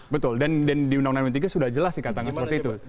betul dan di undang undang md tiga sudah jelas sih katanya seperti itu